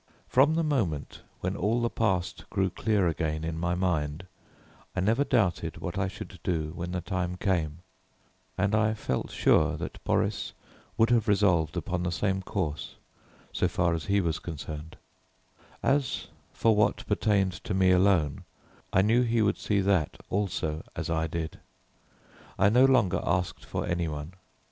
From the moment when all the past grew clear again in my mind, I never doubted what I should do when the time came, and I felt sure that Boris would have resolved upon the same course so far as he was concerned; as for what pertained to me alone, I knew he would see that also as I did. I no longer asked for any one.